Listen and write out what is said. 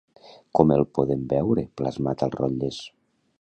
Com el podem veure plasmat als rotlles?